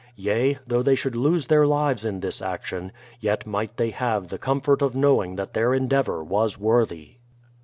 Yea, though they should lose their lives in this action, yet might they have the comfort of knowing that their endeavour was worthy.